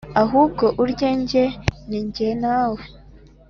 ahubwo urye jye nijye nawe